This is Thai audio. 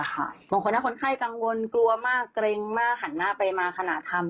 บางคนถ้าคนไข้กังวลกลัวมากเกร็งมากหันหน้าไปมาขณะทำ